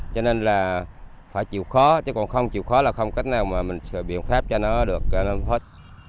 cho nên là phải chịu khó chứ còn không chịu khó là không cách nào mà mình biện pháp cho nó được hơn hết